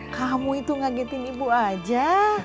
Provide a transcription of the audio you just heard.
kamu itu ngagetin ibu aja